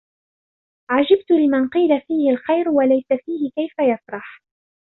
عَجِبْت لِمَنْ قِيلَ فِيهِ الْخَيْرُ وَلَيْسَ فِيهِ كَيْفَ يَفْرَحُ